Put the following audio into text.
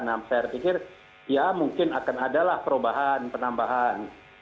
nah saya pikir ya mungkin akan adalah perubahan penambahan